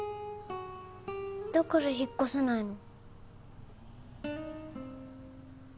だから引っ越せないの。